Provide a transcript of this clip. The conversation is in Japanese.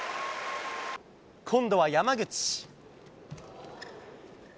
今度は山口。